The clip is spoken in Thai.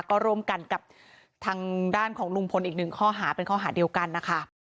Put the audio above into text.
ก็ร่วมกันกับทางด้านของลุงพลอีกหนึ่งข้อหาเป็นข้อหาเดียวกันนะคะ